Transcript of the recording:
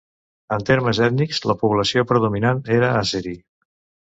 En termes ètnics, la població predominant era àzeri.